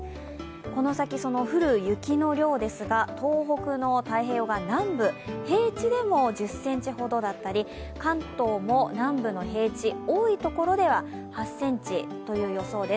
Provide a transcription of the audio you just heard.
この先、降る雪の量ですが、東北の太平洋側南部平地でも１０ｃｍほどだったり関東も南部の平地、多いところでは８ｃｍという予想です。